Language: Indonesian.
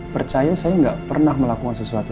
percaya saya gak pernah melakukan sesuatu